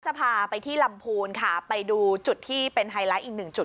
จะพาไปที่ลำพูนค่ะไปดูจุดที่เป็นไฮไลท์อีกหนึ่งจุด